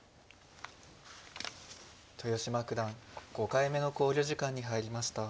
豊島九段５回目の考慮時間に入りました。